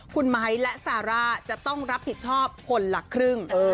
คุณไม้และซาร่าจะต้องรับผิดชอบคนละครึ่ง